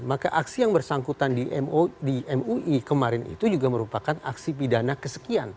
maka aksi yang bersangkutan di mui kemarin itu juga merupakan aksi pidana kesekian